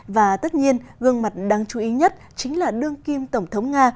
và tất nhiên gương mặt đáng chú ý nhất chính là đương kim tổng thống nga